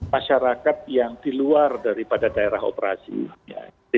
masyarakat yang di luar daripada daerah operasi